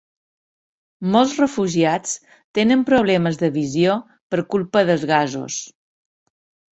Molts refugiats tenen problemes de visió per culpa dels gasos